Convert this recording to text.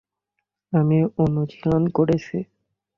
আমি অনুশীলন করেছি।